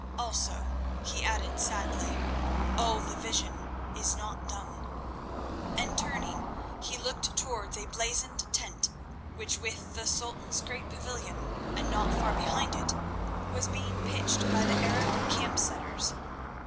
"Also," he added sadly, "all the vision is not done." And turning, he looked towards a blazoned tent which with the Sultan's great pavilion, and not far behind it, was being pitched by the Arab camp setters.